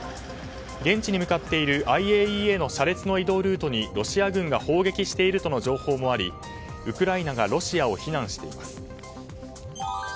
現地に向かっているＩＡＥＡの車列の移動ルートにロシア軍が砲撃しているとの情報もありウクライナがロシアを非難しています。